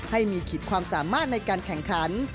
ให้มีขีดความสามารถในการแข่งขัน